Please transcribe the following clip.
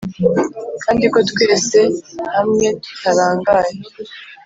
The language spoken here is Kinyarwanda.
kandi ko twese hamwe tutarangaye;